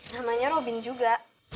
namanya robin juga